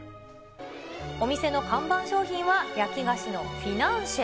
お店の看板商品は焼き菓子のフィナンシェ。